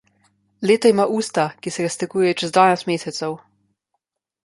Leto ima usta, ki se raztegujejo čez dvanajst mesecev.